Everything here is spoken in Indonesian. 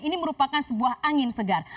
ini merupakan sebuah angin segar